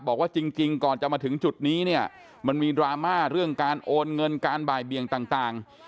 บอกว่าจริงก่อนจะมาถึงจุดนี้เนี่ยมันมีดราม่าเรื่องการโอนเงินการบ่ายเบียงต่าง